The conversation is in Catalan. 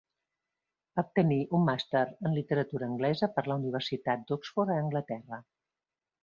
Va obtenir un màster en literatura anglesa per la Universitat d'Oxford a Anglaterra.